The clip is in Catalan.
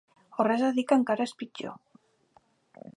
O res a dir, que encara és pitjor.